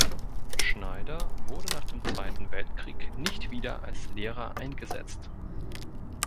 Schneider wurde nach dem Zweiten Weltkrieg nicht wieder als Lehrer eingesetzt.